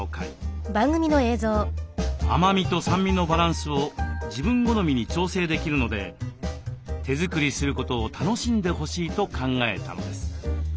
甘みと酸味のバランスを自分好みに調整できるので手作りすることを楽しんでほしいと考えたのです。